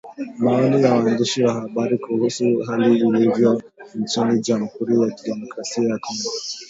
Maoni ya waandishi wa habari kuhusu hali ilivyo nchini Jamhuri ya kidemokrasia ya Kongo